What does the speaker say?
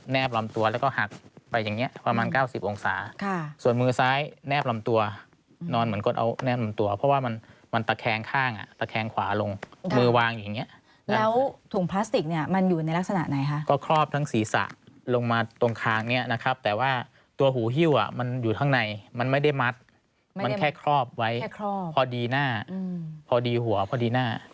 แนบลำตัวแล้วก็หักไปอย่างเงี้ยประมาณเก้าสิบองศาค่ะส่วนมือซ้ายแนบลำตัวนอนเหมือนกดเอาแนบลำตัวเพราะว่ามันมันตะแคงข้างอ่ะตะแคงขวาลงมือวางอย่างเงี้ยแล้วถุงพลาสติกเนี้ยมันอยู่ในลักษณะไหนคะก็ครอบทั้งศีรษะลงมาตรงข้างเนี้ยนะครับแต่ว่าตัวหูหิ้วอ่ะมันอยู่ข้างในมันไม่ได